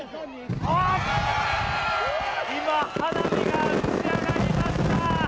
今、花火が打ち上がりました！